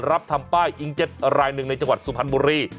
รับทำป้ายอิงเจ็ตรายหนึ่งในจังหวัดสุพรรณบุรี